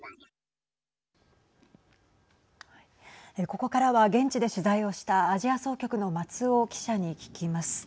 ここからは、現地で取材をしたアジア総局の松尾記者に聞きます。